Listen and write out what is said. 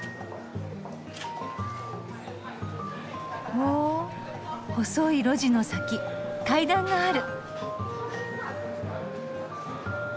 ほ細い路地の先階段がある。